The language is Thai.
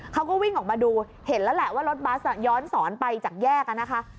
เขาก็วิ่งออกมาดูเห็นแล้วแหละว่ารถบัสย้อนสอนไปจากแยกนะคะ